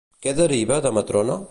Què deriva de Matrona?